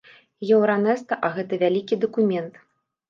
Еўранэста, а гэта вялікі дакумент.